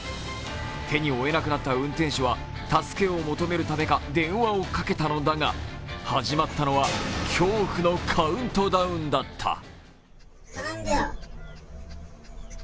手に負えなくなった運転手は助けを求めるためか電話をかけたのだが始まったのは恐怖のカウントダウンだった。